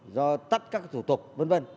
do tắt các thủ tục v v